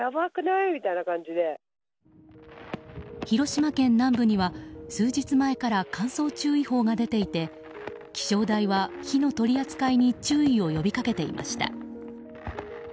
広島県南部には数日前から乾燥注意報が出ていて気象台は火の取り扱いに注意を呼び掛けていました。